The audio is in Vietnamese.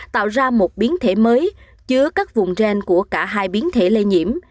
tạo ra một biến thể mới chứa các vùng gen của cả hai biến thể lây nhiễm